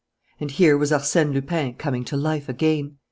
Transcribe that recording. And here was Arsène Lupin coming to life again!